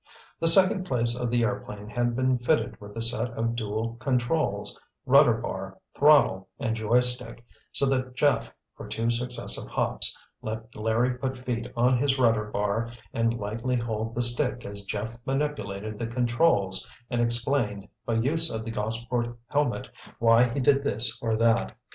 The second place of the airplane had been fitted with a set of dual controls, rudder bar, throttle and "joystick" so that Jeff, for two successive hops, let Larry put feet on his rudder bar and lightly hold the stick as Jeff manipulated the controls and explained, by use of the Gossport helmet, why he did this or that.